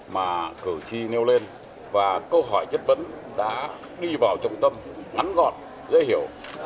mà cử tri nêu lên và câu hỏi chất vấn đã đi vào trọng tâm ngắn gọn dễ hiểu